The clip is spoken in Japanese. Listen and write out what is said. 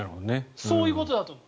そういうことだと思う。